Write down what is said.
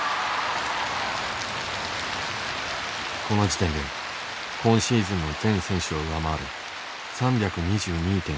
この時点で今シーズンの全選手を上回る３２２．３６。